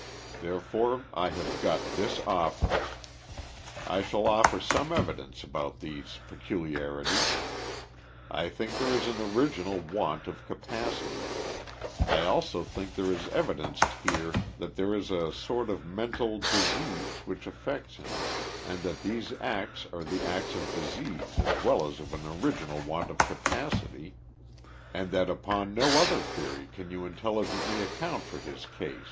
Therefore I have got this offer : I shall offer some evidence about these pe culiarities. I think there is an original want of capacity. I also think there is evidenced here that there is a sort of mental dis ease, which affects him, and that these acts are the acts of disease as well as of an original want ot capacity, and that upon no other theory can you intelligently account for his case.